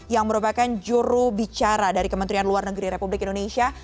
yang merupakan juru bicara dari kementerian luar negeri republik indonesia